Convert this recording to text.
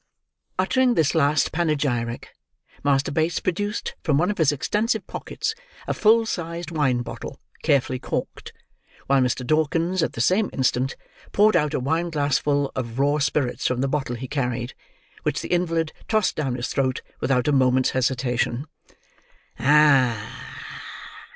Uttering this last panegyric, Master Bates produced, from one of his extensive pockets, a full sized wine bottle, carefully corked; while Mr. Dawkins, at the same instant, poured out a wine glassful of raw spirits from the bottle he carried: which the invalid tossed down his throat without a moment's hesitation. "Ah!"